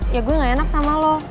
ya gue gak enak sama lo